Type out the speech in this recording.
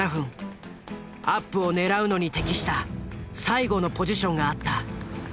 アップを狙うのに適した最後のポジションがあった。